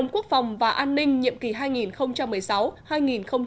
quốc phòng và an ninh nhiệm kỳ hai nghìn một mươi sáu hai nghìn hai mươi